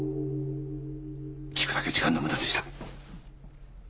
聞くだけ時間の無駄でした。